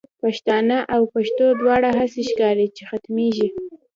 پښتانه او پښتو دواړه، هسی ښکاری چی ختمیږی